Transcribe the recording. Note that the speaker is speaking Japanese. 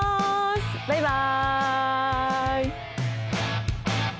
バイバイ。